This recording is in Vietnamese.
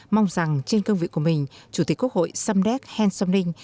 mong rằng trên cương vị của mình chủ tịch quốc hội samdek hensomning